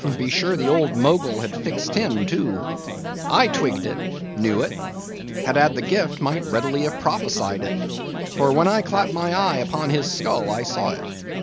Be sure the old Mogul has fixed him, too. I twigged it, knew it; had had the gift, might readily have prophesied it—for when I clapped my eye upon his skull I saw it.